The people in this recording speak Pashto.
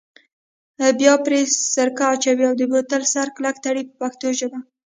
بیا پرې سرکه اچوئ او د بوتل سر کلک تړئ په پښتو ژبه.